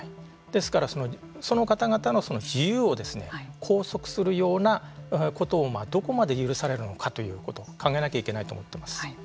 ですから、その方々の自由を拘束するようなことをどこまで許されるのかということを考えなきゃいけないと思っています。